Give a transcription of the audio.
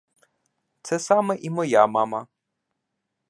Це саме і моя мама.